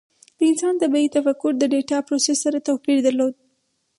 د انسان طبیعي تفکر د ډیټا پروسس سره توپیر درلود.